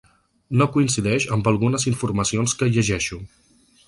No coincideix amb algunes informacions que llegeixo.